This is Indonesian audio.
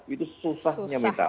itu susahnya minta ampun